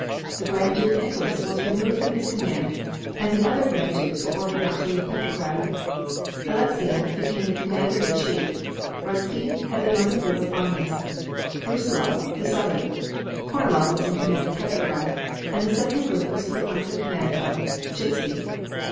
The Grand Duke Nicholas was removed from his command and the other Grand Dukes were ordered not to leave Petrograd. Alexiev became commander in chief; Ruzsky had the northern group of armies, Brusilov the southern; Kornilov was in command of Petrograd, and the central group was put under the command of Lechitsky.